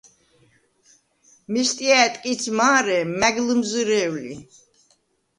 მესტია̄̈ ტკიც მა̄რე მა̈გ ლჷმზჷრე̄ვ ლი!